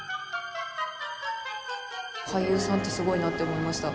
俳優さんってすごいなって思いました。